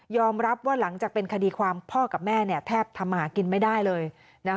รับว่าหลังจากเป็นคดีความพ่อกับแม่แทบทำหากินไม่ได้เลย